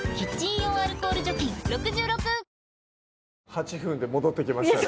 ８分で戻ってきましたね